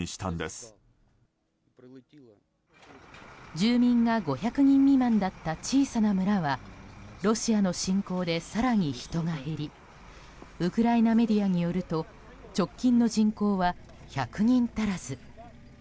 住民が５００人未満だった小さな村はロシアの侵攻で更に人が減りウクライナメディアによると直近の人口は１００人足らず。